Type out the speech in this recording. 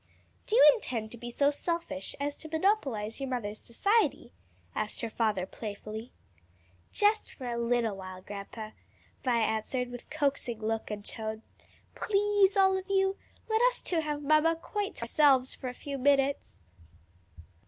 "Do you intend to be so selfish as to monopolize your mother's society?" asked her father playfully. "Just for a little while, grandpa," Vi answered with coaxing look and tone. "Please, all of you, let us two have mamma quite to ourselves for a few minutes."